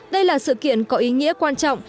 đây là sự kiện có ý nghĩa quan trọng